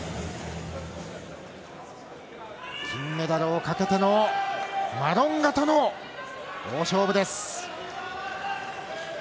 金メダルをかけてのマロンガとの大勝負です。